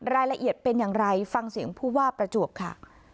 รายละเอียดเป็นอย่างไรฟังเสียงผู้ว่าประจวบค่ะ